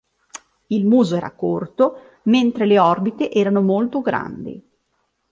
Il muso era corto, mentre le orbite erano molto grandi.